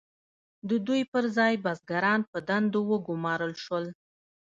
د دوی پر ځای بزګران په دندو وګمارل شول.